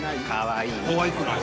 かわいくない。